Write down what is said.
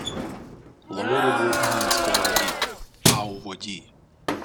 Лови рибу не на сковороді; а у воді.